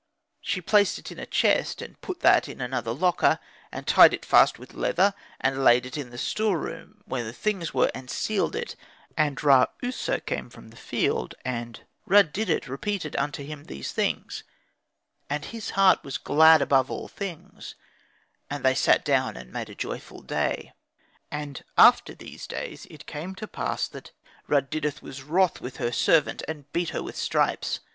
She placed it in a chest, and put that in another locker, and tied it fast with leather, and layed it in the store room, where the things were, and sealed it. And Ra user came returning from the field; and Rud didet repeated unto him these things; and his heart was glad above all things; and they sat down and made a joyful day. And after these days it came to pass that Rud didet was wroth with her servant, and beat her with stripes.